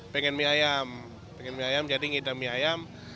pengen mie ayam pengen mie ayam jadi ngidam mie ayam